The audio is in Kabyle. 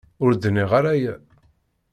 Ur d-nniɣ ara aya.